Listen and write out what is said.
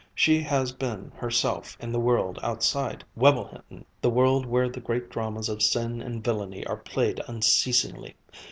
She has been herself in the world outside Webblehinton, the world where the great dramas of sin and villainy are played unceasingly.